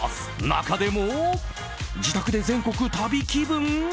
中でも、自宅で全国旅気分？